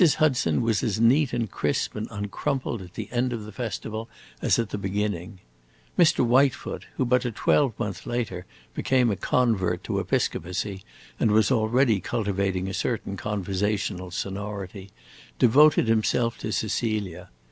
Hudson was as neat and crisp and uncrumpled at the end of the festival as at the beginning. Mr. Whitefoot, who but a twelvemonth later became a convert to episcopacy and was already cultivating a certain conversational sonority, devoted himself to Cecilia.